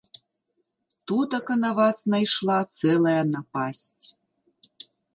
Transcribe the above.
Тутака на вас найшла цэлая напасць.